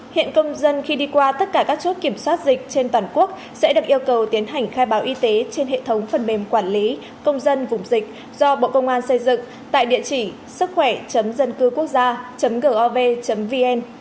hiện công dân khi đi qua tất cả các chốt kiểm soát dịch trên toàn quốc sẽ được yêu cầu tiến hành khai báo y tế trên hệ thống phần mềm quản lý công dân vùng dịch do bộ công an xây dựng tại địa chỉ sức khỏe dân cư quốc gia gov vn